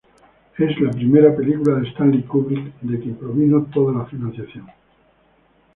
Es la primera película de Stanley Kubrick, de quien provino toda la financiación.